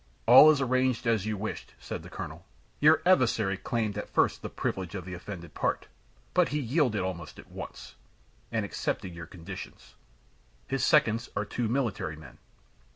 "All is arranged as you wished," said the colonel. "Your adversary claimed at first the privilege of the offended part; but he yielded almost at once, and accepted your conditions. His seconds are two military men."